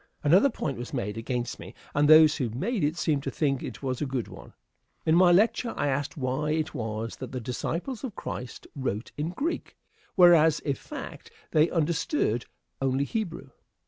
Another point was made against me, and those who made it seemed to think it was a good one. In my lecture I asked why it was that the disciples of Christ wrote in Greek, whereas, if fact, they understood only Hebrew.